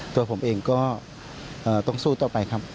ตัวผมเองก็ต้องสู้ต่อไปครับ